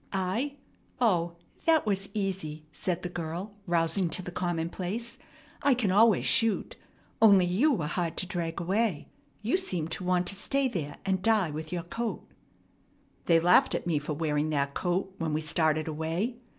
"I? O, that was easy," said the girl, rousing to the commonplace. "I can always shoot. Only you were hard to drag away. You seemed to want to stay there and die with your coat." "They laughed at me for wearing that coat when we started away.